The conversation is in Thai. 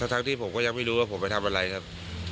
ทั้งที่ผมก็ยังไม่รู้ว่าผมไปทำอะไรครับ